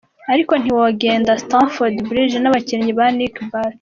ariko ntitwogenda Stamford Bridge n'abakinyi ba Nicky Butt.